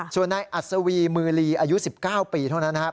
ส่วนนายอัศวีมือลีอายุ๑๙ปีเท่านั้นนะครับ